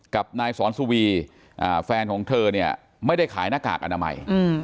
กับนายสอนสุวีแฟนของเธอเนี่ยไม่ได้ขายหน้ากากอนามัย